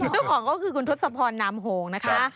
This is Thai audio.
เจ้าของก็คือคุณทศพรนามโหงนะคะ